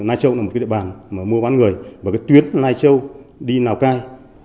nai châu là một địa bàn mua bán người và tuyến nai châu đi nào cai